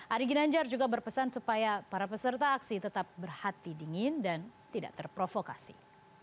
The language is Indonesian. ari ginanjar juga berpesan supaya para peserta aksi tetap berhati dingin dan tidak terprovokasi